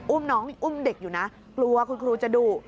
อุ้มน้องอุ้มเด็กอยู่นะกลัวว่าคุณครูจะดู